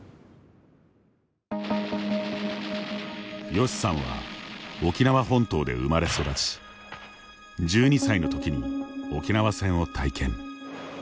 ヨシさんは沖縄本島で生まれ育ち１２歳の時に沖縄戦を体験。